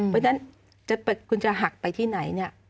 วันนั้นคุณจะหักไปที่ไหนเนี่ย